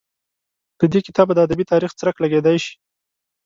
له دې کتابه د ادبي تاریخ څرک لګېدای شي.